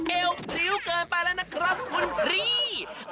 เอวพริ้วเกินไปแล้วนะครับคุณพี่